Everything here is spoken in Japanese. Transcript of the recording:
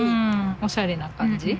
おしゃれな感じ。